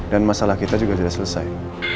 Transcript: dan masalah kita juga sudah selesai